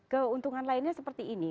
keuntungan lainnya seperti ini